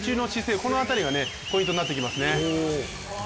この辺りがポイントになってきますね。